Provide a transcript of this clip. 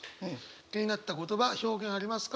気になった言葉表現ありますか？